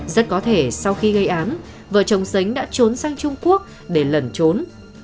rất có thể sau khi gây án vợ chồng sánh đã trốn sang trung quốc để lẩn trốn